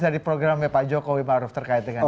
dari programnya pak jokowi maruf terkait dengan ini